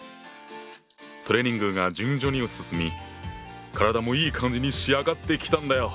トレーニングが順調に進み体もいい感じに仕上がってきたんだよ。